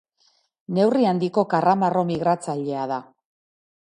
Neurri handiko karramarro migratzailea da.